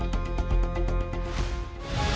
matahari terbenam terlihat bulat peninggi